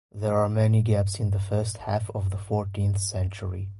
There are many gaps in the first half of the fourteenth century.